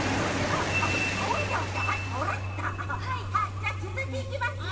じゃあつづきいきますよ。